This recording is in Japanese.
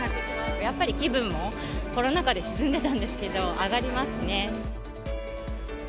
やっぱり気分も、コロナ禍で沈んでたんですけれども、上がりますね。